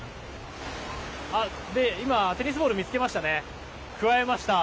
今、テニスボール見つけましたねくわえました。